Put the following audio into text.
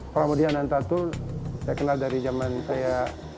pramodya nantatu saya kenal dari zaman saya